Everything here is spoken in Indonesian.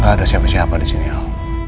gak ada siapa siapa disini al